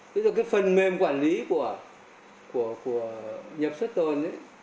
thế rồi cái phần mềm quản lý của nhập xuất tồn